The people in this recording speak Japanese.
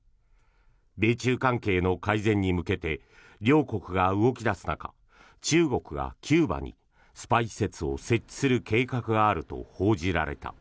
米中関係の改善に向けて両国が動き出す中中国がキューバにスパイ施設を設置する計画があると報じられた。